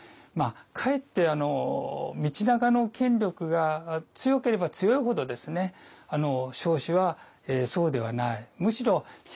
かえって道長の権力が強ければ強いほど彰子はそうではない。